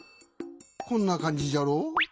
こんな感じじゃろ。